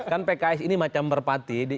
kan pks ini macam merpati